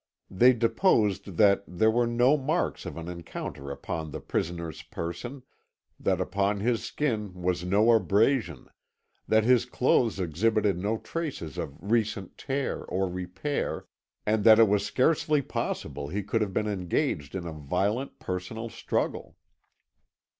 They deposed that there were no marks of an encounter upon the prisoner's person, that upon his skin was no abrasion, that his clothes exhibited no traces of recent tear or repair, and that it was scarcely possible he could have been engaged in a violent personal struggle.